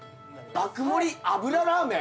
爆盛油ラーメン？